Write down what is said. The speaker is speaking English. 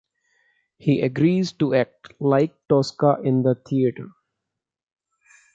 He agrees to act "like Tosca in the theatre".